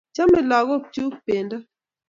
Chame lagok chuk pendo